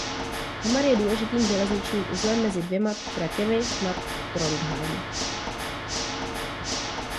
Hamar je důležitým železničním uzlem mezi dvěma tratěmi na Trondheim.